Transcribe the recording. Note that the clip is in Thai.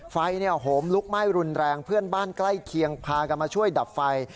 โหมลุกไหม้รุนแรงเพื่อนบ้านใกล้เคียงพากันมาช่วยดับไฟ